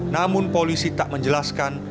namun polisi tak menjelaskan